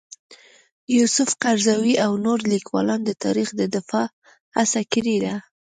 یوسف قرضاوي او نور لیکوالان د تاریخ د دفاع هڅه کړې ده.